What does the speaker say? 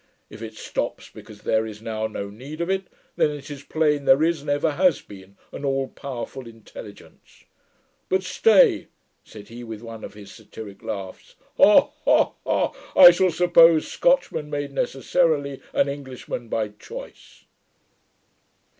If it stops because there is now no need of it, then it is plain there is, and ever has been, an all powerful intelligence. But stay!' said he, with one of his satyrick laughs. 'Hal ha! ha! I shall suppose Scotchmen made necessarily, and Englishmen by choice.'